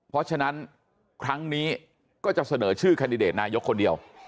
เพราะฉะนั้นครั้งนี้ก็จะเสนอชื่อแคนดิเดตนายกคนเดียว